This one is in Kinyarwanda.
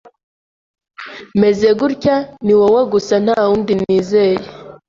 meze gutya, niwowe gusa ntawundi nizeye